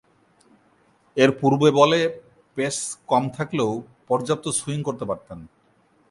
এরপূর্বে বলে পেস কম থাকলেও পর্যাপ্ত সুইং করতে পারতেন।